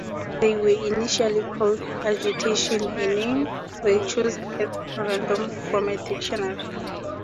They were initially called Agitation, a name they chose at random from a dictionary.